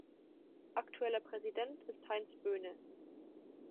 Aktueller Präsident ist Heinz Böhne.